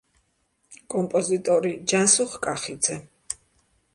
კომპოზიტორი: ჯანსუღ კახიძე.